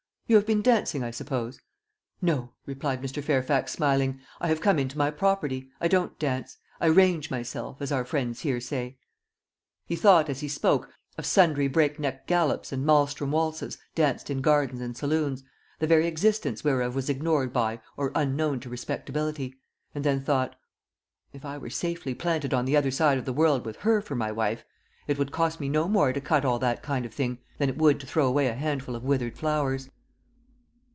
"You have been dancing, I suppose?" "No," replied Mr. Fairfax, smiling; "I have come into my property. I don't dance. 'I range myself,' as our friends here say." He thought, as he spoke, of sundry breakneck gallops and mahlstrom waltzes danced in gardens and saloons, the very existence whereof was ignored by or unknown to respectability; and then thought, "If I were safely planted on the other side of the world with her for my wife, it would cost me no more to cut all that kind of thing than it would to throw away a handful of withered flowers."